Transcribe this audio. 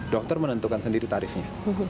dokter menentukan sendiri tarifnya